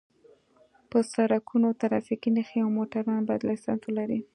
په سرکونو ټرافیکي نښې او موټروان باید لېسنس ولري